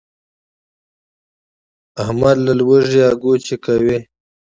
احمد له لوږې اګوچې کوي.